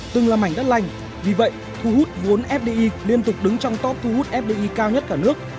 từng là mảnh đất lành vì vậy thu hút vốn fdi liên tục đứng trong top thu hút fdi cao nhất cả nước